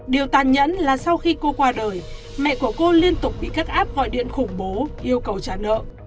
điều tàn nhẫn là sau khi cô qua đời mẹ của cô liên tục bị các app gọi điện khủng bố yêu cầu trả nợ